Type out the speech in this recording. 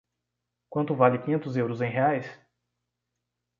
Quanto vale quinhentos euros em reais?